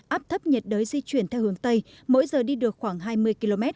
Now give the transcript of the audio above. áp thấp nhiệt đới di chuyển theo hướng tây mỗi giờ đi được khoảng hai mươi km